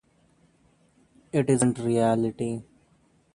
It isn't reality.